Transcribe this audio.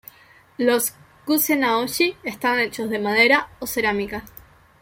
Los k"usenaoshi" están hechos de madera o cerámica.